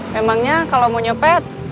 memangnya kalau mau nyopet